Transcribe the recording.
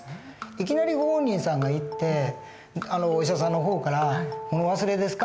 いきなりご本人さんが行ってお医者さんの方から「物忘れですか？」